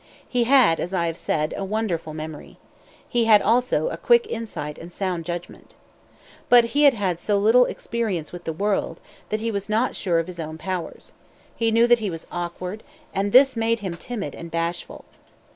He had, as I have said, a wonderful memory. He had also a quick insight and sound judgment. But he had had so little experience with the world, that he was not sure of his own powers. He knew that he was awkward; and this made him timid and bashful.